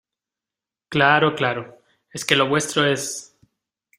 claro, claro. es que lo vuestro es